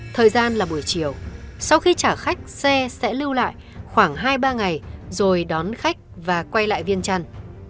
thời gian là buổi chiều sau khi trả khách xe sẽ lưu lại khoảng hai ba ngày rồi đón khách và quay lại viên chăn